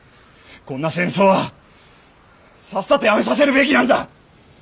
こんな戦争はさっさとやめさせるべきなんだ！